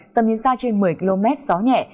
tầm nhìn xa trên một mươi km gió nhẹ